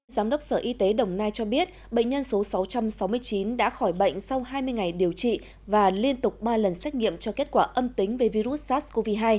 giám đốc sở y tế đồng nai cho biết bệnh nhân số sáu trăm sáu mươi chín đã khỏi bệnh sau hai mươi ngày điều trị và liên tục ba lần xét nghiệm cho kết quả âm tính về virus sars cov hai